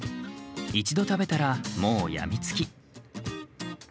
一度食べたら、もう病みつき。